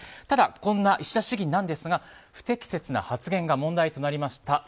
ただ、こんな石田市議ですが不適切な発言が問題となりました。